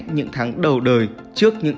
những tháng đầu đời trước những